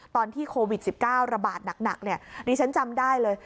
ตอนที่โควิด๑๙ระบาดหนักเนี่ยดิฉันจำได้เลย